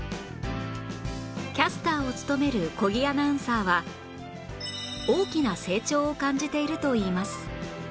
キャスターを務める小木アナウンサーは大きな成長を感じているといいます